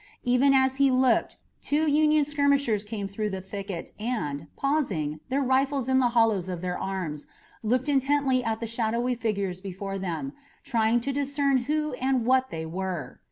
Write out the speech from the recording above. Even as he looked, two Union skirmishers came through the thicket and, pausing, their rifles in the hollows of their arms, looked intently at the shadowy figures before them, trying to discern who and what they were.